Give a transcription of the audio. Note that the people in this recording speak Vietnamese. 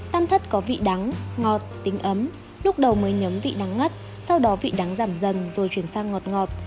tam thất có vị đắng ngọt tính ấm lúc đầu mới nhấm vị nắng ngất sau đó vị đắng giảm dần rồi chuyển sang ngọt ngọt